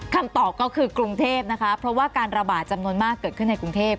คำตอบก็คือกรุงเทพนะคะเพราะว่าการระบาดจำนวนมากเกิดขึ้นในกรุงเทพ